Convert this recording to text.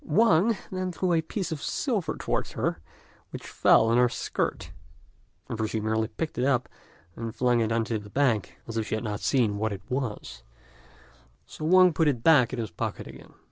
Wang then threw a piece of silver towards her, which fell on her skirt; however she merely picked it up, and flung it on to the bank, as if she had not seen what it was, so Wang put it back in his pocket again.